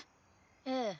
ええ。